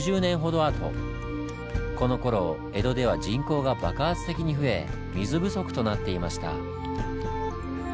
このころ江戸では人口が爆発的に増え水不足となっていました。